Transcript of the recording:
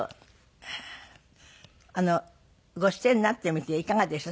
ご出演になってみていかがでした？